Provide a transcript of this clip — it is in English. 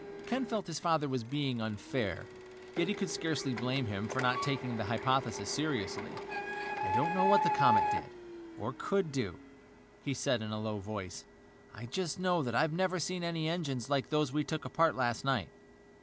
Ken felt his father was being unfair, yet he could scarcely blame him for not taking the hypothesis seriously. "I don't know what the comet did or could do " he said in a low voice. "I just know I've never seen any engines like those we took apart last night."